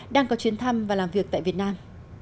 đang có chuyến thăm và làm việc tại việt nam